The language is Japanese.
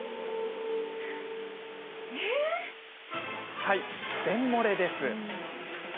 はい、便もれです。